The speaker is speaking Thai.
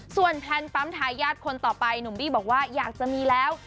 ส่วนแพลนปั๊มทายาทคนต่อไปหนุ่มบี้บอกว่าอยากจะมีแล้ว